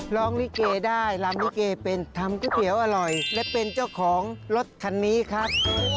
ลิเกได้ลำลิเกเป็นทำก๋วยเตี๋ยวอร่อยและเป็นเจ้าของรถคันนี้ครับ